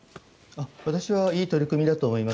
私はいい取り組みだと思います。